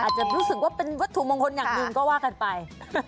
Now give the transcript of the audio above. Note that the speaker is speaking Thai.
อาจจะรู้สึกว่าเป็นวัตถุมงคลอย่างหนึ่งก็ว่ากันไป